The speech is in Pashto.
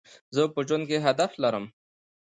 زه په ژوند کي هدف لرم.